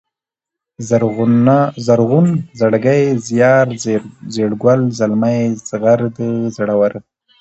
زرغون ، زړگی ، زيار ، زېړگل ، زلمی ، زغرد ، زړور